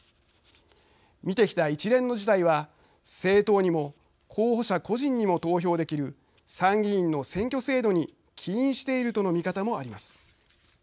見てきた一連の事態は政党にも候補者個人にも投票できる参議院の選挙制度に起因しているとの見方もあります。